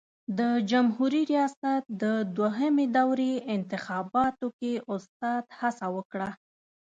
د جمهوري ریاست د دوهمې دورې انتخاباتو کې استاد هڅه وکړه.